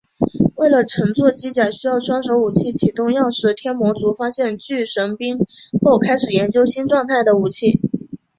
为了乘坐机甲需要双手武器启动钥匙天魔族发现巨神兵后开始研究新形态的武器。